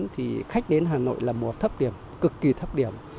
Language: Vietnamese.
thì khách đến hà nội là mùa thấp điểm cực kỳ thấp điểm